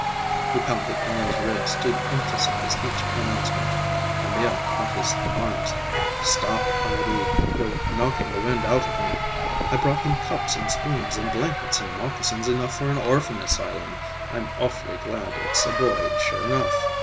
He pounded Emil's ribs to emphasize each announcement. Emil caught his arms. "Stop, Amédée. You're knocking the wind out of me. I brought him cups and spoons and blankets and moccasins enough for an orphan asylum. I'm awful glad it's a boy, sure enough!"